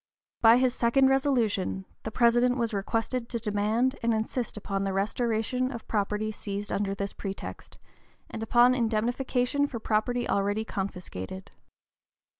By his second resolution, the President was requested to demand and insist upon the restoration of property seized under this pretext, and upon indemnification for property already confiscated.